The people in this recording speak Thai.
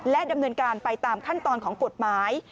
ดำเนินการไปตามขั้นตอนของกฎหมาย